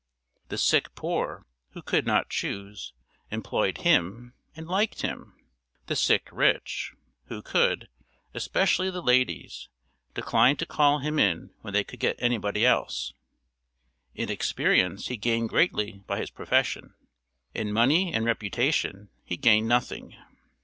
The sick poor, who could not choose, employed him, and liked him. The sick rich, who could especially the ladies declined to call him in when they could get anybody else. In experience he gained greatly by his profession; in money and reputation he gained nothing.